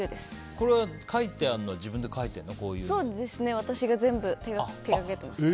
これは書いてあるのは自分で書いてあるの？